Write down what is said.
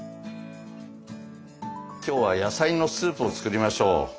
今日は野菜のスープを作りましょう。